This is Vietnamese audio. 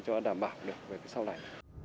cho đảm bảo được về cái sau này